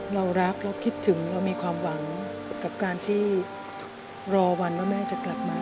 เรารักเราคิดถึงเรามีความหวังกับการที่รอวันว่าแม่จะกลับมา